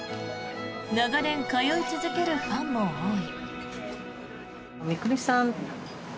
長年通い続けるファンも多い。